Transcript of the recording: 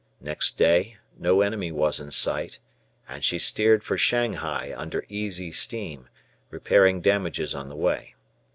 Next day no enemy was in sight, and he steered for Shanghai under easy steam, repairing damages on the way.